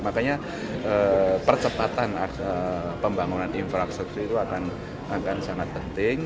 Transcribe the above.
makanya percepatan pembangunan infrastruktur itu akan sangat penting